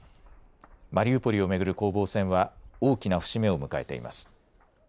マリウポリを巡る攻防戦は大きな節目を迎えています。